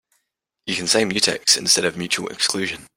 You can say mutex instead of mutual exclusion.